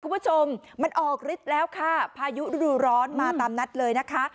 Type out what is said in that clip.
คุณผู้ชมมันออกฤทธิ์แล้วค่ะพายุฤดูร้อนมาตามนัดเลยนะคะ